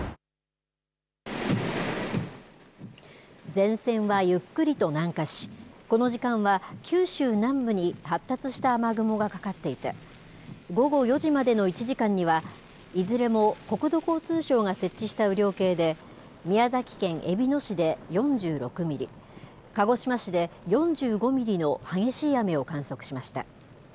前線はゆっくりと南下し、この時間は、九州南部に発達した雨雲がかかっていて、午後４時までの１時間には、いずれも国土交通省が設置した雨量計で、宮崎県えびの市で４６ミリ、鹿児島市で４５ミリの激しい雨を観測しました。